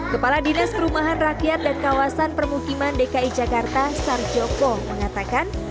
kepala dinas perumahan rakyat dan kawasan permukiman dki jakarta sarjoko mengatakan